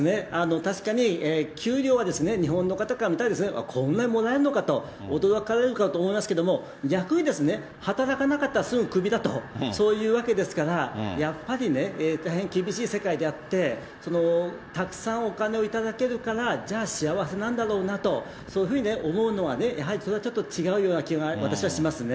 確かに給料は日本の方から見たら、こんなにもらえるのかと驚かれると思いますが、逆にですね、働かなかったらすぐクビだと、そういうわけですから、やっぱりね、大変厳しい世界であって、たくさんお金を頂けるから、じゃあ幸せなんだろうなと、そういうふうにね、思うのはね、やはりそれはちょっと違うような気が、私はしますね。